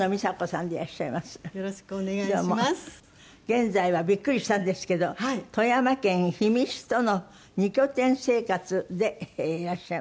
現在はビックリしたんですけど富山県氷見市との２拠点生活でいらっしゃいます。